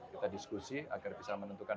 kita diskusi agar bisa menentukan